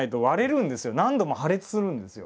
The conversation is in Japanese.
何度も破裂するんですよ。